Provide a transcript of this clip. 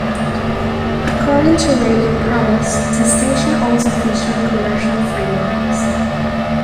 According to radio promos, the station also featured Commercial-Free Mondays.